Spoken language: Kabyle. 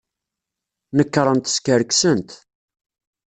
Nekṛent skerksent.